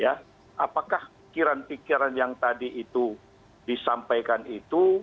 apakah pikiran pikiran yang tadi itu disampaikan itu